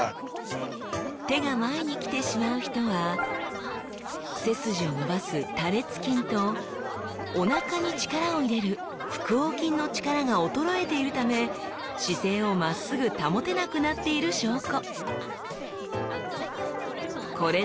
手が前にきてしまう人は背筋を伸ばす多裂筋とおなかに力を入れる腹横筋の力が衰えているため姿勢をまっすぐ保てなくなっている証拠！